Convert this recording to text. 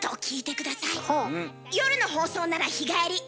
夜の放送なら日帰り。